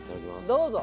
どうぞ。